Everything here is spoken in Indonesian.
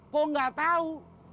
kok gak tau